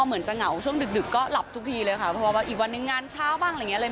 เหมือนจะเหงาช่วงดึกก็หลับทุกทีเลยค่ะเพราะว่าอีกวันนึงงานเช้าบ้างอะไรอย่างเงี้เลย